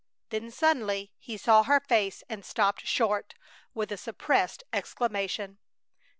Then suddenly he saw her face and stopped short, with a suppressed exclamation.